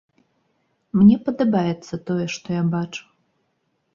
Мне падабаецца тое, што я бачу.